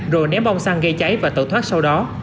rồi ném bong xăng gây cháy và tự thoát sau đó